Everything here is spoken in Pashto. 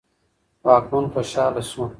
واکمن خوشاله شو.